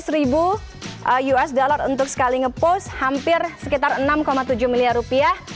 seratus ribu usd untuk sekali ngepost hampir sekitar enam tujuh miliar rupiah